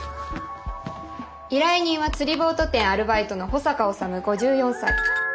依頼人は釣りボート店アルバイトの保坂修５４歳。